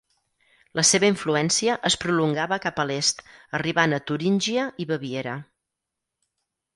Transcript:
La seva influència es prolongava cap a l'est arribant a Turíngia i Baviera.